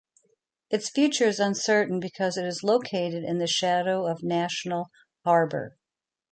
Its future is uncertain because it is located in the shadow of National Harbor.